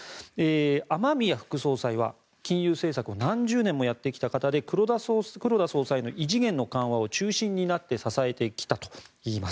雨宮副総裁は、金融政策を何十年もやってきた方で黒田総裁の異次元の緩和を中心になって支えてきたといいます。